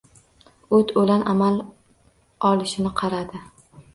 O’t-o‘lan amal olishini qaradi.